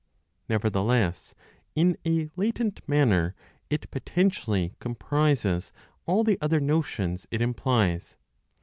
Nevertheless, in a latent manner it potentially comprises all the other notions it implies.